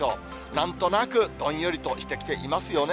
なんとなく、どんよりとしてきていますよね。